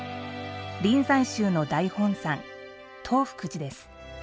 臨済宗の大本山、東福寺です。